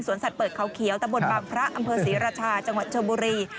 สัตว์เปิดเขาเขียวตะบนบางพระอำเภอศรีราชาจังหวัดชมบุรี